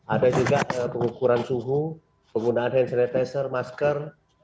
ada juga pengukuran suhu penggunaan hand sanitizer masker